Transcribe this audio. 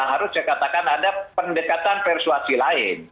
harus saya katakan ada pendekatan persuasi lain